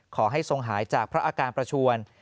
ขอให้ทรงหายจากพระอาการประชวน